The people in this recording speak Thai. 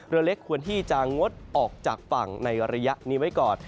เรือเล็กควรที่จะงดออกจากฝั่งในระยะนี้ไว้ก่อน